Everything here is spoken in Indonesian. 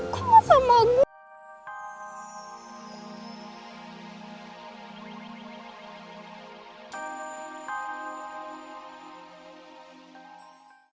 kok mau sama gue